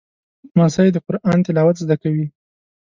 لمسی د قرآن تلاوت زده کوي.